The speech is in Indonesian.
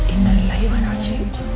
innalillah ya allah